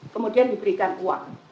kemudian diberikan uang